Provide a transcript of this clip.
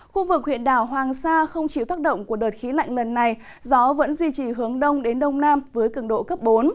khu vực huyện đảo hoàng sa không chịu tác động của đợt khí lạnh lần này gió vẫn duy trì hướng đông đến đông nam với cường độ cấp bốn